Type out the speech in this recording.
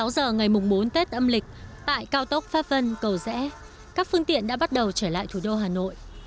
sáu giờ ngày bốn tết âm lịch tại cao tốc pháp vân cầu rẽ các phương tiện đã bắt đầu trở lại thủ đô hà nội